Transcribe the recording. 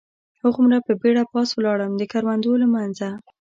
هغومره په بېړه پاس ولاړم، د کروندو له منځه.